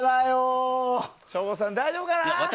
省吾さん、大丈夫かな？